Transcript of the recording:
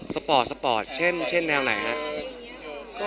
ถ้าเป็นแนวสปอร์ตชูนี้ได้ทำยังไงครับ